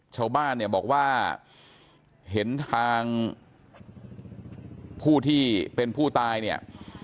ชาวบ้านเนี่ยบอกว่าเห็นทางผู้ที่เป็นผู้ตายเนี่ย